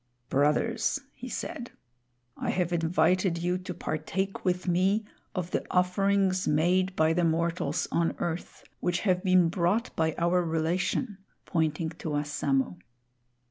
"Brothers," he said, "I have invited you to partake with me of the offerings made by the mortals on earth, which have been brought by our relation," pointing to Wassamo.